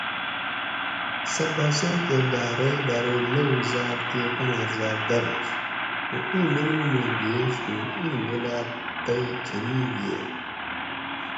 سہ باچہ کہ ڈھاۤرے ڈھاۤرے لوؤ زۤر تے پنر زر داویش خو ایں منوگ ما بِیش ہوں ایں دولت تہ کۤھنی گِئیگ